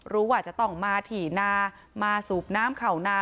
รู้ว่าจะต้องมาถี่นามาสูบน้ำเขานา